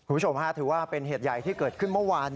คุณผู้ชมฮะถือว่าเป็นเหตุใหญ่ที่เกิดขึ้นเมื่อวาน